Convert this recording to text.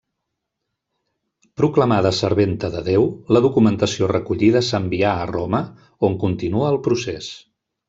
Proclamada serventa de Déu, la documentació recollida s'envià a Roma, on continua el procés.